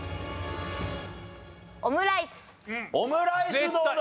オムライスどうだ？